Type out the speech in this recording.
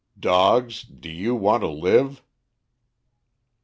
'Dogs, do you want to live?'